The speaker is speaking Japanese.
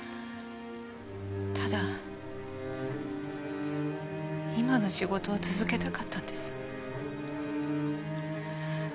ただ今の仕事を続けたかったんです。